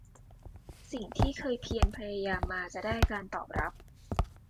สิ่งที่เคยเพียรพยายามมาจะได้การตอบรับ